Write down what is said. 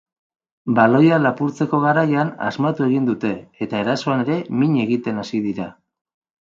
Baloiak lapurtzeko garaian asmatu egin dute eta erasoan ere min egiten hasi dira.